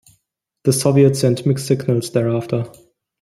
The Soviets sent mixed signals thereafter.